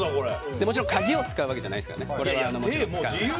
もちろん鍵を使うわけじゃないですから。